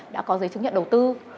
đã có giấy chứng nhận đầu tư